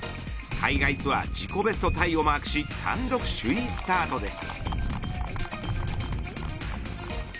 海外ツアー自己ベストタイをマークし単独首位スタートです。